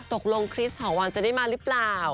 ตกลงคริสต์ของวันจะได้มาหรือเปล่า